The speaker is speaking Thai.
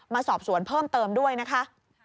มาสอบสวนเพิ่มเติมด้วยนะคะ